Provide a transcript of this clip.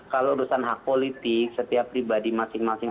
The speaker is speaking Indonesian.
kalau urusan hak politik setiap pribadi masing masing